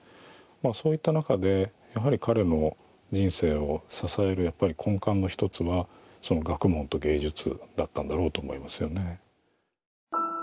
まあそういった中でやはり彼の人生を支えるやっぱり根幹の一つはその学問と芸術だったんだろうと思いますよね。